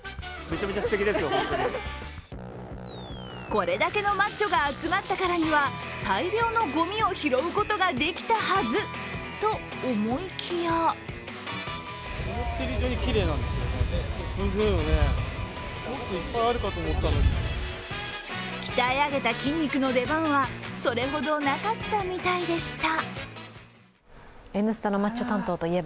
これだけのマッチョが集まったからには、大量のゴミを拾うことができたはず、と思いきや鍛え上げた筋肉の出番はそれほどなかったみたいでした。